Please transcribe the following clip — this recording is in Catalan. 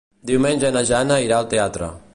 Diumenge na Jana irà al teatre.